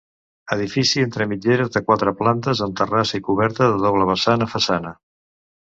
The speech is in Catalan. Edifici entre mitgeres de quatre plantes amb terrassa i coberta de doble vessant a façana.